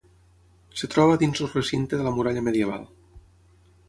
Es troba dins el recinte de la muralla medieval.